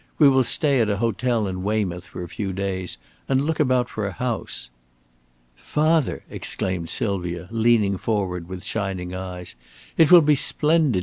We will stay at an hotel in Weymouth for a few days and look about for a house." "Father!" exclaimed Sylvia, leaning forward with shining eyes. "It will be splendid.